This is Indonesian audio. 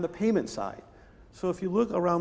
tapi saya pikir itu berguna